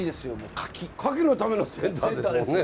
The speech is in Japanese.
柿のためのセンターですもんね。